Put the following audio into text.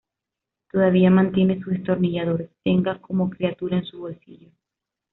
Todavía mantiene su destornillador tenga como criatura en su bolsillo.